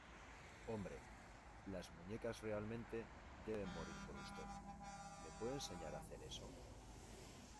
Hombre, las muñecas realmente deben morir por usted. ¿ Me puede enseñar a hacer eso? .